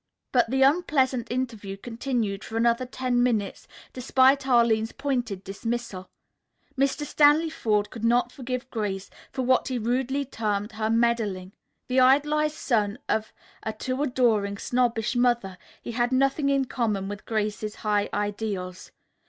But the unpleasant interview continued for another ten minutes despite Arline's pointed dismissal. Mr. Stanley Forde could not forgive Grace for what he rudely termed her "meddling." The idolized son of a too adoring, snobbish mother, he had nothing in common with Grace's high ideals.